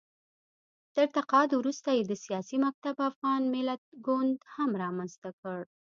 تر تقاعد وروسته یې د سیاسي مکتب افغان ملت ګوند هم رامنځته کړ